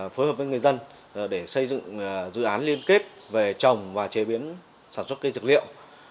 phối hợp với người dân để xây dựng dự án liên kết về trồng và chế biến sản xuất cây dược liệu